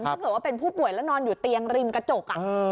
ถ้าเกิดว่าเป็นผู้ป่วยแล้วนอนอยู่เตียงริมกระจก